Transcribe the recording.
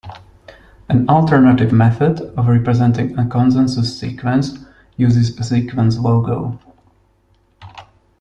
An alternative method of representing a consensus sequence uses a sequence logo.